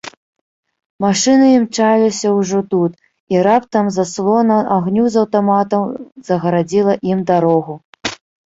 Машыны імчаліся ўжо тут, і раптам заслона агню з аўтаматаў загарадзіла ім дарогу.